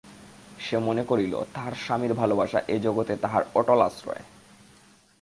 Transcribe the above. সে মনে করিল, তাহার স্বামীর ভালোবাসা এ জগতে তাহার অটল আশ্রয়।